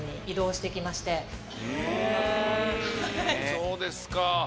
そうですか。